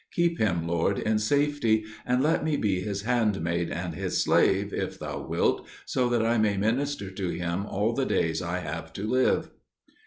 Keep him, Lord, in safety, and let me be his handmaid and his slave, if Thou wilt, so that I may minister to him all the days I have to live."